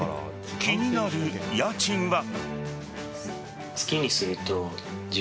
気になる家賃は。